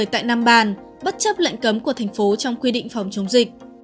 tại nam bàn bất chấp lệnh cấm của thành phố trong quy định phòng chống dịch